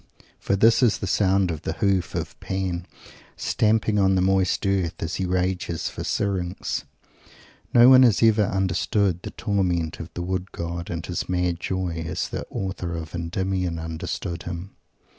For this is the sound of the hoof of Pan, stamping on the moist earth, as he rages for Syrinx. No one has ever understood the torment of the Wood god and his mad joy, as the author of Endymion understood them.